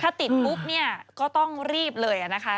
ถ้าติดปุ๊บเนี่ยก็ต้องรีบเลยนะคะ